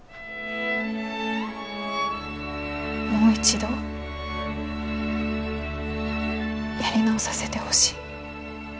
もう一度やり直させてほしい。